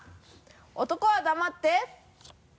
男は黙って。